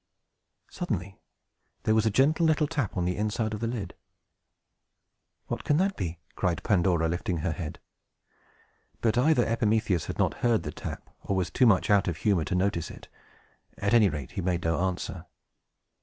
Suddenly there was a gentle little tap on the inside of the lid. "What can that be?" cried Pandora, lifting her head. But either Epimetheus had not heard the tap, or was too much out of humor to notice it. At any rate, he made no answer.